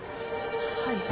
はい。